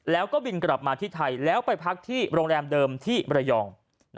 แล้วก็บินกลับมาที่ไทยแล้วไปพักที่โรงแรมเดิมที่มรยอง